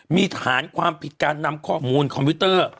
มีฐานความผิดการนำข้อมูลคอมพิวเตอร์